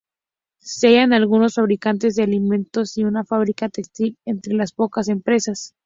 Se hallan algunos fabricantes de alimentos y una fábrica textil entre las pocas empresas.